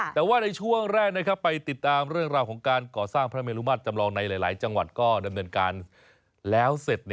แต่ว่าในช่วงแรกไปติดตามเรื่องราวของการก่อสร้างพระเมลุมาตรจำลองในหลายจังหวัดก็ดำเนินการแล้วเสร็จ